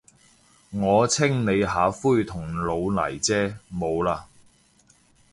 我清理下灰同老泥啫，冇喇。